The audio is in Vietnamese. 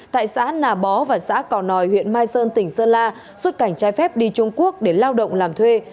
tại xã nà bó và xã cò nòi huyện mai sơn tỉnh sơn la xuất cảnh trái phép đi trung quốc để lao động làm thuê